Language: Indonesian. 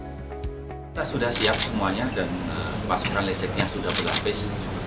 kita sudah siap semuanya dan pasokan listriknya sudah berlapis